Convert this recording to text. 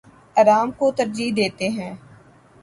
آرام کو ترجیح دیتے ہیں